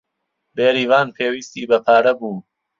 بێریڤان پێویستی بە پارە بوو.